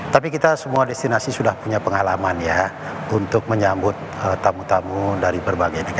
tapi kita semua destinasi sudah punya pengalaman ya untuk menyambut tamu tamu dari berbagai negara